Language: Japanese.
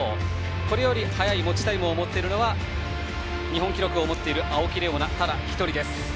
これより速い持ちタイムを持っているのは日本記録を持つ青木玲緒樹ただ１人です。